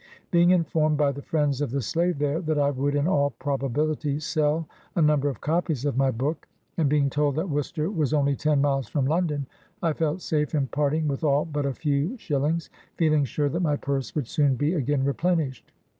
Being informed by the friends of the slave there, that I would, in all probability, sell a number of copies of my book, and being told that Worcester was only ten miles from London, I felt safe in parting with all but a few shil lings, feeling sure that my purse would soon be again replenished.